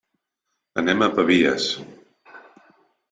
Anem a Pavies.